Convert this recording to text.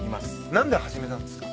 何で始めたんですか？